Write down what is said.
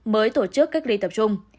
mới tổ chức cách ly tập trung